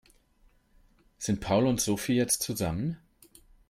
Sind Paul und Sophie jetzt zusammen?